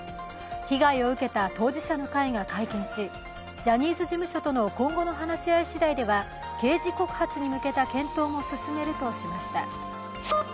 被害を受けた当事者の会が会見しジャニーズ事務所と今後の話し合いしだいでは刑事告訴に向けた検討も進めるとしました。